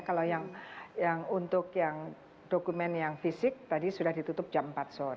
kalau yang untuk dokumen yang fisik tadi sudah ditutup jam empat sore